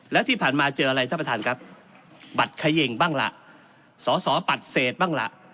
แล้วที่ผ่านมาเจออะไรท่านประธานครับบัตรเขย่งบ้างล่ะสอสอปัดเศษบ้างล่ะ